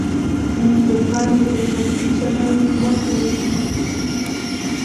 موږ د پانګې د کمبود سره مخ یو.